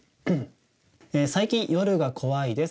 「最近夜が怖いです」。